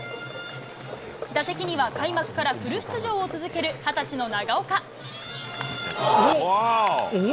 打席には開幕からフル出場を続ける２０歳の長岡。